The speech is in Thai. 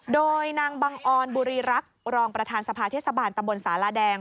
โดยนางบังออนบุรีรักษ์รองประธานสภาเทศบาลตำบลสาลาแดง